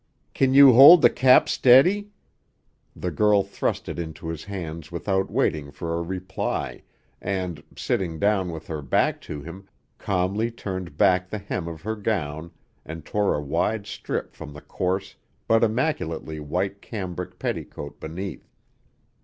"Kin you hold the cap steady?" The girl thrust it into his hands without waiting for a reply, and, sitting down with her back to him, calmly turned back the hem of her gown and tore a wide strip from the coarse but immaculately white cambric petticoat beneath.